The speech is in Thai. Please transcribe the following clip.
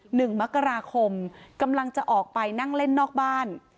หนึ่งมกราคมกำลังจะออกไปนั่งเล่นนอกบ้าน